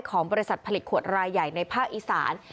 ของบริษัทผลิตขวดรายใหญ่ในภาคอีสาน